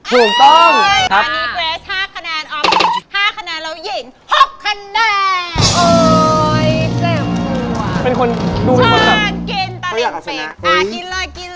ตั้งกเดิมก๋อนเต้นมา